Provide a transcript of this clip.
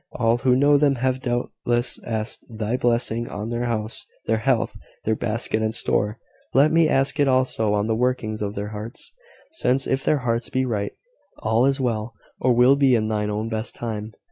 All who know them have doubtless asked thy blessing on their house, their health, their basket and store: let me ask it also on the workings of their hearts, since, if their hearts be right, all is well or will be in thine own best time."